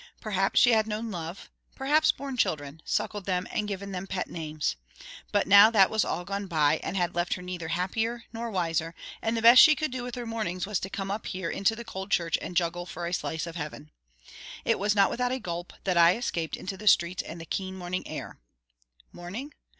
Perhaps she had known love: perhaps borne children, suckled them and given them pet names. But now that was all gone by, and had left her neither happier nor wiser; and the best she could do with her mornings was to come up here into the cold church and juggle for a slice of heaven. It was not without a gulp that I escaped into the streets and the keen morning air. Morning?